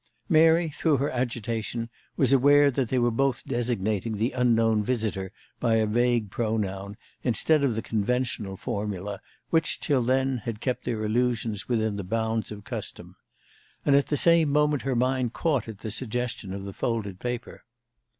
Mary, through her agitation, was aware that they were both designating the unknown visitor by a vague pronoun, instead of the conventional formula which, till then, had kept their allusions within the bounds of custom. And at the same moment her mind caught at the suggestion of the folded paper.